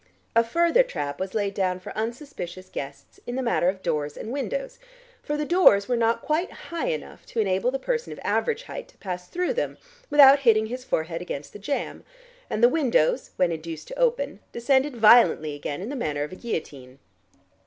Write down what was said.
A further trap was laid down for unsuspicious guests in the matter of doors and windows, for the doors were not quite high enough to enable the person of average height to pass through them without hitting his forehead against the jamb, and the windows, when induced to open, descended violently again in the manner of a guillotine.